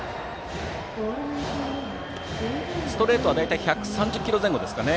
ストレートは大体１３０キロ前後ですかね。